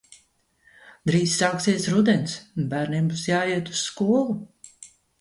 Drīz sāksies rudens un bērniem būs jāiet uz skolu.